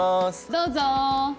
どうぞ。